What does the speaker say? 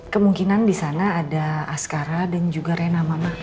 kemungkinan di sana ada askara dan juga reina mama